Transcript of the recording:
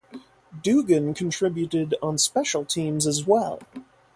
Dugan contributed on special teams as well.